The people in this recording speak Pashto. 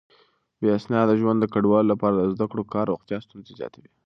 بې اسناده ژوند د کډوالو لپاره د زده کړو، کار او روغتيا ستونزې زياتوي.